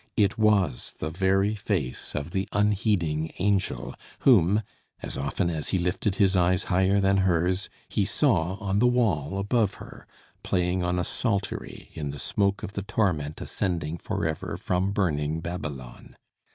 It was the very face of the unheeding angel whom, as often as he lifted his eyes higher than hers, he saw on the wall above her, playing on a psaltery in the smoke of the torment ascending for ever from burning Babylon.